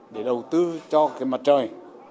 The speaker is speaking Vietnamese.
để đầu tư cho cái mặt trời